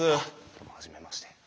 どうも初めまして。